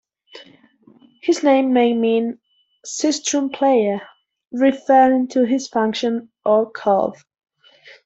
His name may mean "sistrum player", referring to his function, or "calf".